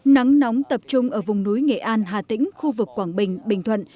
nắng nóng tập trung ở vùng núi nghệ an hà tĩnh khu vực quảng bình bình thuận